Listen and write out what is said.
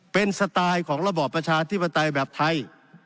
เป็นสไตล์ของระบอบประชาธิปไตยแบบไทย